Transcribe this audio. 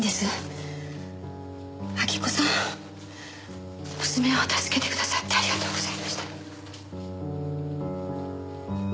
晃子さん娘を助けてくださってありがとうございました。